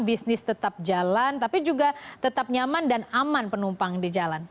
bisnis tetap jalan tapi juga tetap nyaman dan aman penumpang di jalan